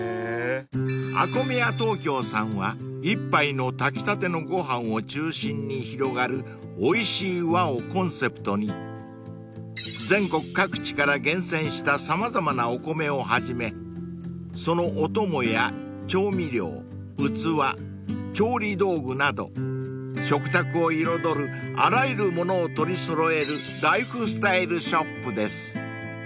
［ＡＫＯＭＥＹＡＴＯＫＹＯさんは「一杯の炊き立てのごはんを中心に広がるおいしい輪」をコンセプトに全国各地から厳選した様々なお米をはじめそのお供や調味料器調理道具など食卓を彩るあらゆるものを取り揃えるライフスタイルショップです］